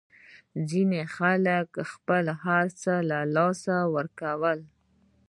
ځینو خلکو خپل هرڅه له لاسه ورکړل.